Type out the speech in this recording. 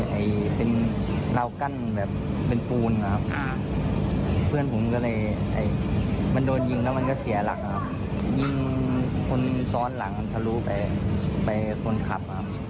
อายุ๑๐ปีนะฮะเขาบอกว่าเขาก็เห็นตอนที่เพื่อนถูกยิงนะครับทีแรกพอเห็นถูกยิงนะครับ